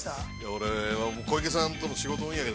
◆俺、小池さんとの仕事。